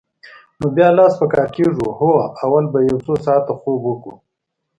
نو بیا لاس په کار کېږو؟ هو، اول به یو څو ساعته خوب وکړو.